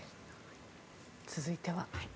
続いては。